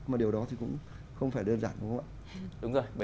mà điều đó thì cũng không phải đơn giản đúng không ạ